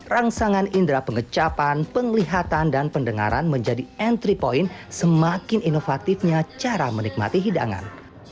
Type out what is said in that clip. rangsangan indera pengecapan penglihatan dan pendengaran menjadi entry point semakin inovatifnya cara menikmati hidangan